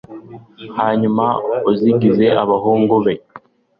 hanyuma uzigize abahungu be